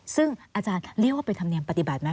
ซึ่งอาจารย์เรียกว่าเป็นธรรมเนียมปฏิบัติไหม